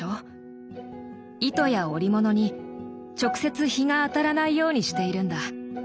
糸や織物に直接日が当たらないようにしているんだ。